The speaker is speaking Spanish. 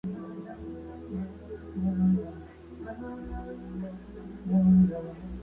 Hay un error en la lista de "cosas que hacer" de Harmony.